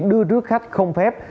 đưa rước khách không phép